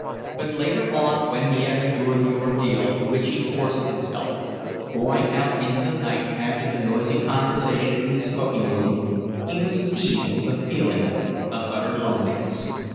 But later on, when he had endured the ordeal to which he forced himself, going out into the night after the noisy conversation in the smoking room, he was seized with a feeling of utter loneliness.